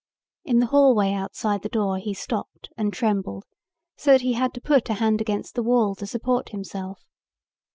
In the hallway outside the door he stopped and trembled so that he had to put a hand against the wall to support himself.